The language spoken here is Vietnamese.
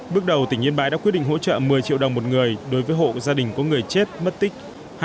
bước đầu tỉnh yên bái đã quyết định hỗ trợ một mươi triệu đồng một người đối với hộ gia đình có người chết mất tích